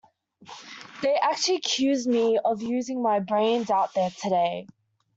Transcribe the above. They actually accused me of using my brains out there today.